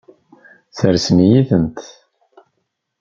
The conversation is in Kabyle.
Sseṛɣen-iyi-tent.